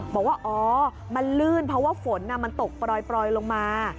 บอกว่าอ๋อมันลื่นเพราะว่าฝนมันตกปล่อยลงมา